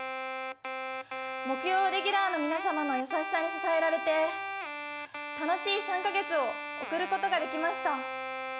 木曜レギュラーの皆様の優しさに支えられて楽しい３か月を送ることができました。